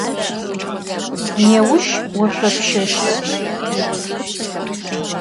Nêuş voşsopşeşt.